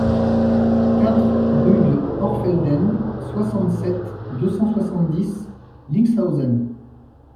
quatre rue de Hochfelden, soixante-sept, deux cent soixante-dix, Lixhausen